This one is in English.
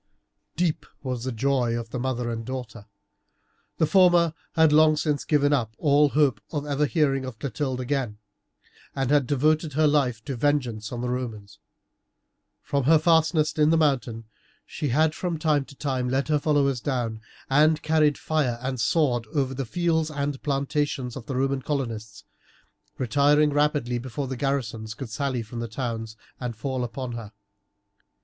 Deep was the joy of the mother and daughter. The former had long since given up all hope of ever hearing of Clotilde again, and had devoted her life to vengeance on the Romans. From her fastness in the mountain she had from time to time led her followers down, and carried fire and sword over the fields and plantations of the Roman colonists, retiring rapidly before the garrisons could sally from the towns and fall upon her.